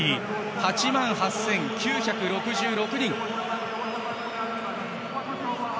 ８万８９６６人。